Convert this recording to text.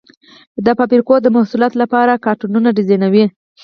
د فابریکو د محصولاتو لپاره کارتنونه ډیزاینوي.